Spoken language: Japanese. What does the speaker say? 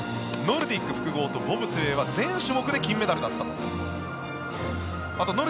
ノルディック複合とボブスレーは全種目で金メダルだったと。